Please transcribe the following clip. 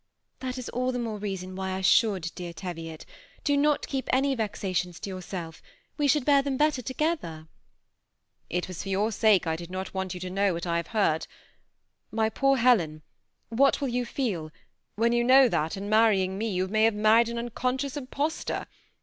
"That is all the more reason why I should, dear Teviot. Do not keep any vexations to yourself! we should bear them better together." "It was for your sake I did not want you to know what I have heard. My poor Helen, what will you feel, when you know that, in marrying me, you may have married an unconscious impostor?